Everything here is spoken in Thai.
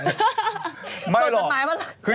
คืออย่างงี้